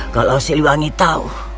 kalau siliwangi tahu